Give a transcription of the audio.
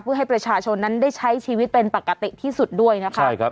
เพื่อให้ประชาชนนั้นได้ใช้ชีวิตเป็นปกติที่สุดด้วยนะคะ